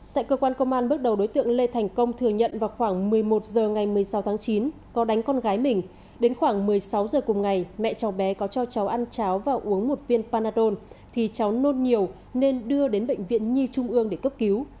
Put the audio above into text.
tại cơ quan công an bước đầu đối tượng lê thành công thừa nhận vào khoảng một mươi một h ngày một mươi sáu tháng chín có đánh con gái mình đến khoảng một mươi sáu h cùng ngày mẹ cháu bé có cho cháu ăn cháo và uống một viên panadon thì cháu nôn nhiều nên đưa đến bệnh viện nhi trung ương để cấp cứu